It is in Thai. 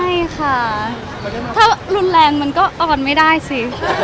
ใช่ค่ะถ้ารุนแรงมันก็ออนไม่ได้สิ